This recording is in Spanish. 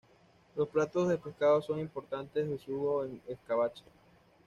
Los platos de pescado son importantes besugo en escabeche.